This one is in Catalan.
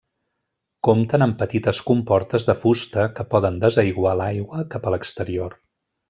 Compten amb petites comportes de fusta que poden desaiguar l'aigua cap a l'exterior.